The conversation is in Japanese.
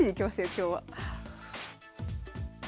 今日は。